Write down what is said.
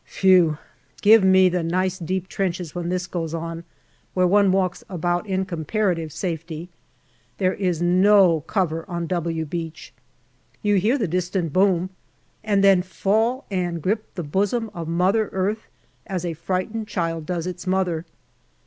Phew ! give me the nice deep trenches when this goes on, where one walks about in comparative safety. There is no cover on " W " Beach. You hear the distant boom, and then fall and grip the bosom of Mother Earth as a frightened child does its mother.